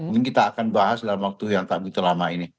ini kita akan bahas dalam waktu yang tak begitu lama ini